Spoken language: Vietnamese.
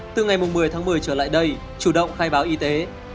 từ ngày một mươi tháng một mươi trở lại đây chủ động khai báo y tế